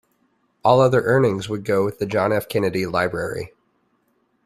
All other earnings would go the John F. Kennedy Library.